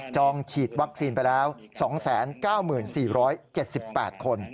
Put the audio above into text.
ฉีดวัคซีนไปแล้ว๒๙๔๗๘คน